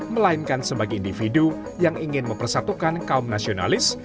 melainkan sebagai individu yang ingin mempersatukan kaum nasionalis